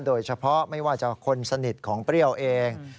โดยเฉพาะไม่ว่าจะคนสนิทของเปรี้ยวเอง